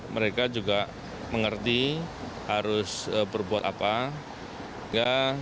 mereka juga mengerti harus berbuat apa ya